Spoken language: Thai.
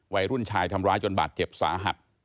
วัยรุ่นชายทำร้ายจนบาดเจ็บสาหัส